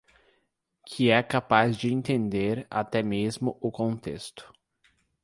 Que é capaz de entender até mesmo o contexto.